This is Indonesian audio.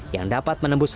yang dapat dikonsumsi